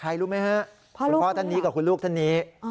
รู้ไหมฮะคุณพ่อท่านนี้กับคุณลูกท่านนี้